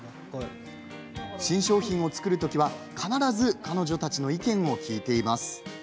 新商品を作るときは、必ず彼女たちの意見を聞いています。